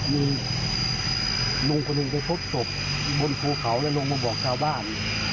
มีลุงคนหนึ่งไปพบศพบนภูเขาแล้วลงมาบอกชาวบ้าน